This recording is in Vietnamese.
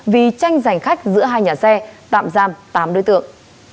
vì tranh giành khách giữa hai nhà xe tạm giam tám đối tượng